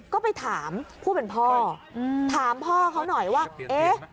ก็ไปถามผู้เป็นพ่อถามพ่อเขาหน่อยว่าเอ๊ะ